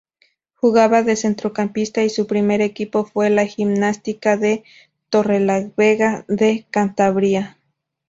Jugaba de centrocampista y su primer equipo fue la Gimnástica de Torrelavega, de Cantabria.